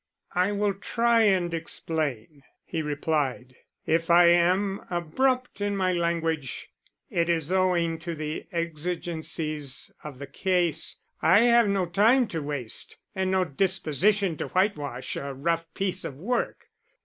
"I will try and explain," he replied. "If I am abrupt in my language, it is owing to the exigencies of the case. I have no time to waste and no disposition to whitewash a rough piece of work.